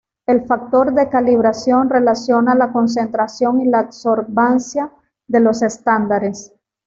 El factor de calibración relaciona la concentración y la absorbancia de los estándares.